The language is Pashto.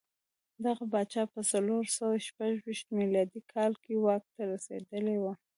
دغه پاچا په څلور سوه شپږ ویشت میلادي کال کې واک ته رسېدلی و